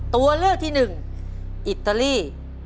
ตัวเลือกที่หนึ่งอิตาลี